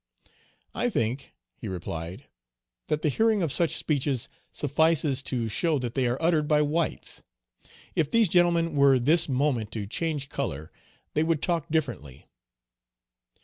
"I think," he replied, "that the hearing of such Page 154 speeches suffices to show that they are uttered by whites; if these gentlemen were this moment to change color, they would talk differently."